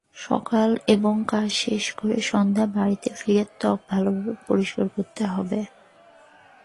সকালে এবং কাজ শেষে সন্ধ্যায় বাড়িতে ফিরে ত্বক ভালোভাবে পরিষ্কার করতে হবে।